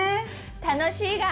楽しいが。